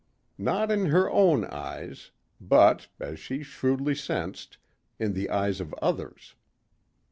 Not in her own eyes but, as she shrewdly sensed, in the eyes of others.